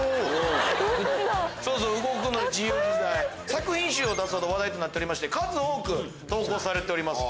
作品集を出すほど話題となって数多く投稿されております。